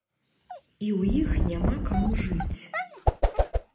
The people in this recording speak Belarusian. І ў іх няма каму жыць.